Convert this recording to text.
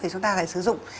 thì chúng ta lại sử dụng